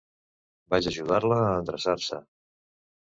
Vaig ajudar-la a endreçar-se.